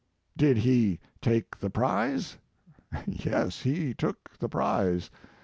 4 Did he take the prize? Yes, he took the prize.